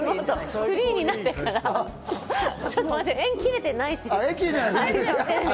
フリーになってからまだ縁切れてないし！